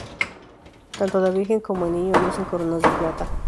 Tanto la Virgen como el Niño lucen coronas de plata.